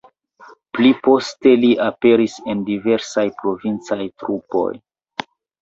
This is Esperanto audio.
Pli poste li aperis en diversaj provincaj trupoj.